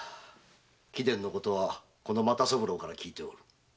貴殿のことはこの又三郎から聞いておる。